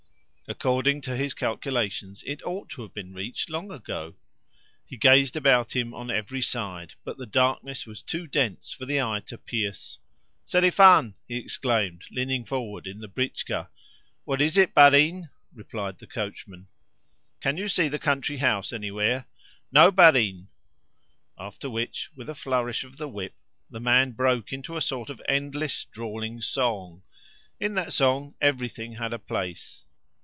According to his calculations, it ought to have been reached long ago. He gazed about him on every side, but the darkness was too dense for the eye to pierce. "Selifan!" he exclaimed, leaning forward in the britchka. "What is it, barin?" replied the coachman. "Can you see the country house anywhere?" "No, barin." After which, with a flourish of the whip, the man broke into a sort of endless, drawling song. In that song everything had a place.